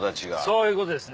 そういうことですね。